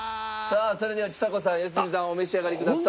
さあそれではちさ子さん良純さんお召し上がりください。